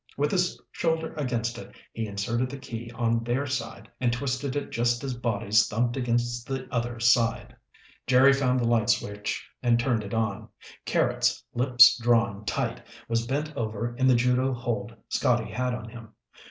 With his shoulder against it he inserted the key on their side and twisted it just as bodies thumped against the other side. Jerry found the light switch and turned it on. Carrots, lips drawn tight, was bent over in the judo hold Scotty had on him.